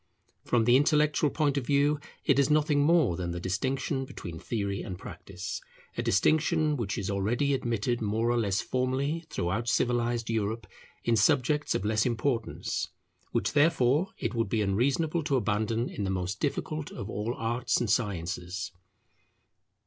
From the intellectual point of view it is nothing more than the distinction between theory and practice; a distinction which is already admitted more or less formally throughout civilized Europe in subjects of less importance; which therefore it would be unreasonable to abandon in the most difficult of all arts and sciences.